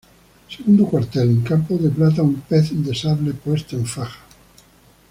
Segundo cuartel, en campo de plata un pez de sable puesto en faja.